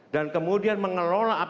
dan kemudian mengelola apbd ini